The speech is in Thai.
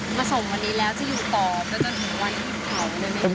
ค่ะมาส่งวันนี้แล้วจะอยู่ตอบ